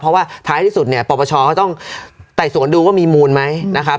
เพราะว่าท้ายที่สุดเนี่ยปปชเขาต้องไต่สวนดูว่ามีมูลไหมนะครับ